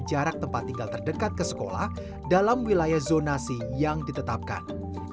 jarak tempat tinggal terdekat ke sekolah dalam wilayah zonasi yang ditetapkan